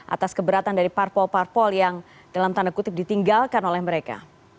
atas keberatan dari parpol parpol yang dalam tanda kutip ditinggalkan oleh mereka